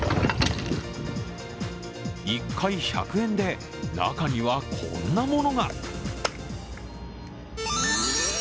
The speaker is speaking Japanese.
１回１００円で、中にはこんなものが。